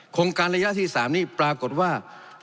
โครงการระยะที่๓นี้ปรากฏว่า